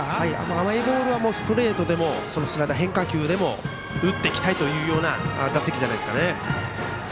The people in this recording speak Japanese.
甘いボールはストレートでもスライダー、変化球でも打っていきたいというような打席じゃないですかね。